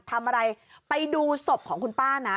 ทำอะไรไปดูศพของคุณป้านะ